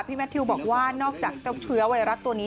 แมททิวบอกว่านอกจากเจ้าเชื้อไวรัสตัวนี้